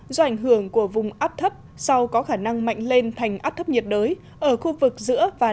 do ảnh hưởng của vùng áp thấp sau có khả năng mạnh lên thành áp thấp nhiệt đới ở khu vực giữa và